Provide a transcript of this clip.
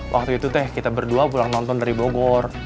waktu itu teh kita berdua pulang nonton dari bogor